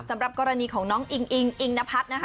สำหรับกรณีของน้องอิงอิงอิงนพัฒน์นะคะ